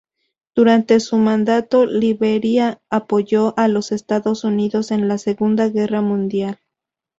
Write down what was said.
Durante su mandato, Liberia apoyó a los Estados Unidos en la Segunda Guerra Mundial.